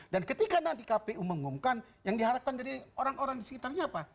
dan ketika nanti kpu mengumumkan yang diharapkan dari orang orang di sekitarnya apa